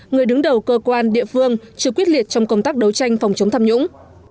người đứng đầu cơ quan địa phương chưa quyết liệt trong công tác đấu tranh phòng chống tham nhũng